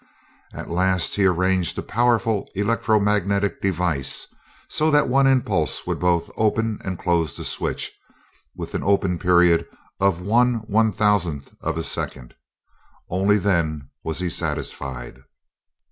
At last he arranged a powerful electro magnetic device so that one impulse would both open and close the switch, with an open period of one one thousandth of a second. Only then was he satisfied.